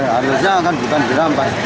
harusnya kan bukan dirampas